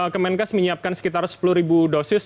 kemenkes menyiapkan sekitar sepuluh ribu dosis